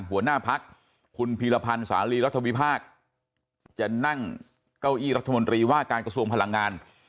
หัวหน้าพักคุณพีรพันธ์สาลีรัฐวิพากษ์จะนั่งเก้าอี้รัฐมนตรีว่าการกระทรวงพลังงาน